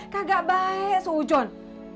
kagak baik sujon